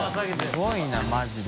すごいなマジで。